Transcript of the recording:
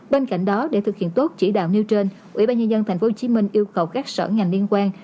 bên cạnh đó để thực hiện tốt chỉ đạo nêu trên ủy ban nhân dân tp hcm yêu cầu các sở ngành liên quan